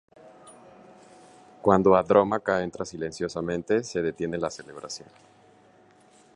Cuando Andrómaca entra silenciosamente, se detiene la celebración.